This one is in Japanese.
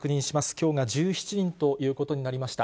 きょうが１７人ということになりました。